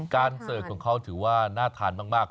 เสิร์ฟของเขาถือว่าน่าทานมาก